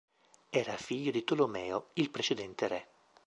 Era figlio di Tolomeo, il precedente re.